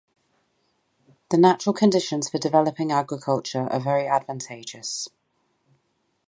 The natural conditions for developing agriculture are very advantageous.